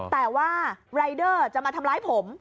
แต่ว่ารายเดอร์จะมาทำร้ายผม